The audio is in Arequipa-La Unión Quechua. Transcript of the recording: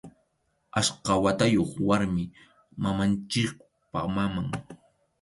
Achka watayuq warmi, mamanchikpa maman.